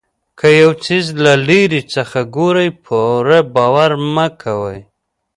که یو څیز له لرې څخه ګورئ پوره باور مه کوئ.